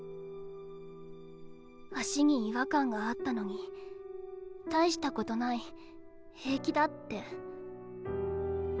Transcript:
足に違和感があったのに大したことない平気だって。